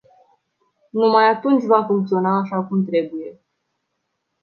Numai atunci va funcționa așa cum trebuie.